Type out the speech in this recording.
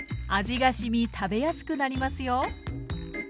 味がしみ食べやすくなりますよ。